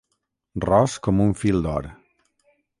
Ros com un fil d'or.